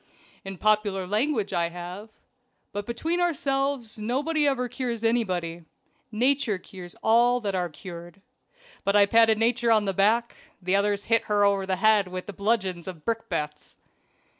"In popular language, I have. But between ourselves nobody ever cures anybody. Nature cures all that are cured. But I patted Nature on the back; the others hit her over the head with bludgeons and brick bats."